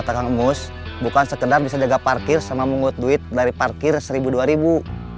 belakang emus bukan sekedar bisa jaga parkir sama mengut duit dari parkir seribu dua ribu